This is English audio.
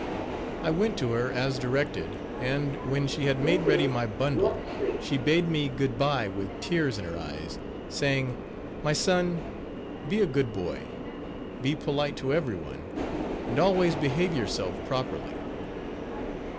I went to her as directed, and, when she had Page 6 made ready my bundle, she bade me good by wit tears in her eyes, saying: "My son, be a good boy; be polite to every one, and always behave yourself properly."